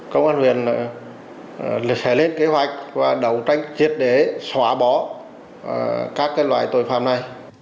công an huyện sẽ lên kế hoạch và đấu tranh triệt để xóa bỏ các loại tội phạm này